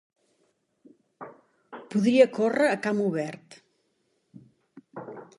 Podria córrer a camp obert.